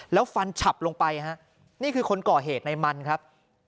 แล้วฟันฉับลงไปฮะนี่คือคนก่อเหตุในมันครับ